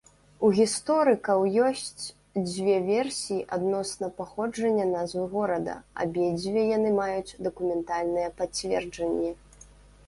У гісторыкаў ёсць дзве версіі адносна паходжання назвы горада, абедзве яны маюць дакументальныя пацверджанні.